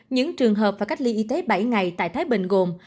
những trường hợp và cách ly y tế bảy ngày tại thái bình gồm